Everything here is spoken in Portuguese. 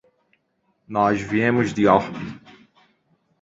Nós viemos de Orpí.